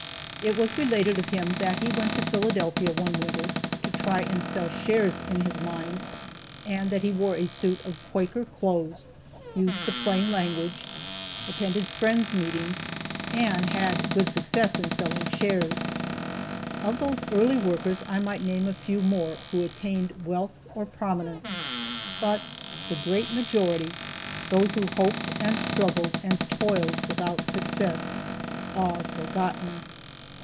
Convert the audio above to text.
It was related of him that he went to Philadelphia one winter to try and sell shares in his mines, and that he wore a suit of Quaker clothes, used the plain language, attended Friends' meetings, and had good success in selling shares. Of these early workers I might name a few more who attained wealth or prominence; but the great majority those who hoped and struggled and toiled without success, are forgotten.